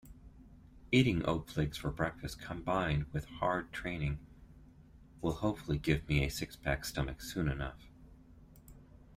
Eating oat flakes for breakfast combined with hard training will hopefully give me a six-pack stomach soon enough.